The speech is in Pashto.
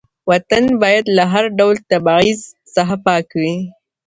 وطن باید له هر ډول تبعیض څخه پاک وي.